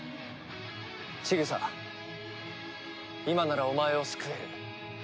今ならお前を救える。